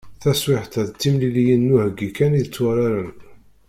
Taswiɛt-a, d timliliyin n uheggi kan i tturaren.